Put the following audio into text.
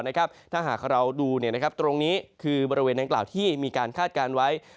ถ้าหากเราดูตรงนี้คือบริเวณดังกล่าวที่มีการคาดการณ์ไว้